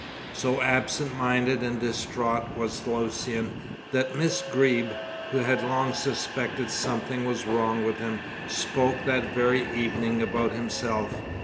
So absent minded and distraught was Lucian, that Miss Greeb, who had long suspected something was wrong with him, spoke that very evening about himself.